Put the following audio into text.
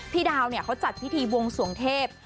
พี่ดาวเนี่ยเขาจัดพิธีบวงสวงเทพ